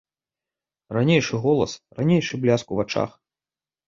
Ранейшы голас, ранейшы бляск у вачах.